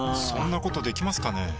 そんなことできますかね？